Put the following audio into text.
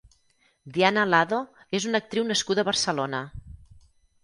Diana Lado és una actriu nascuda a Barcelona.